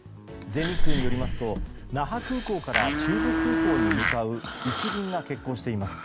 全日空によりますと那覇空港から中部空港に向かう１便が欠航しています。